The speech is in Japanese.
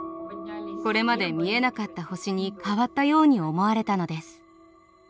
これまで見えなかった星に変わったように思われたのです。